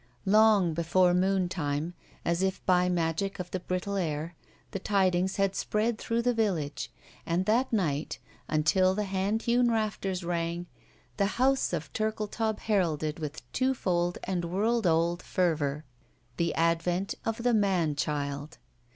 Long before moontime, as if by magic of the brittle air, the tidings had spread through the vil lage, and that night, until the hand hewn rafters rang, the house of Ttirldetaub heralded with two fold and world old fervor the advent of the man child.